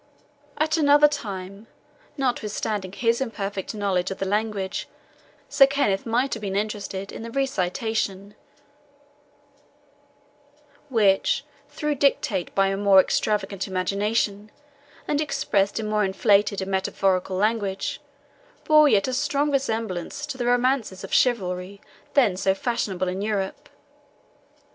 At another time, notwithstanding his imperfect knowledge of the language, Sir Kenneth might have been interested in the recitation, which, though dictated by a more extravagant imagination, and expressed in more inflated and metaphorical language, bore yet a strong resemblance to the romances of chivalry then so fashionable in Europe.